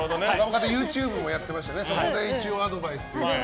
ＹｏｕＴｕｂｅもやってましてそこで一応アドバイスをね。